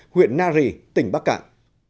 huyện nari tỉnh bắc cạn